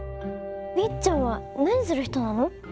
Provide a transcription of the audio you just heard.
みっちゃんはなにするひとなの？